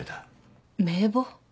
名簿？